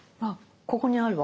ここにあるある。